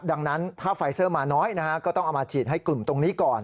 ดังนั้นถ้าไฟเซอร์มาน้อยนะฮะก็ต้องเอามาฉีดให้กลุ่มตรงนี้ก่อน